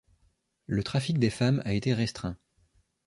Le trafic des femmes a été restreint.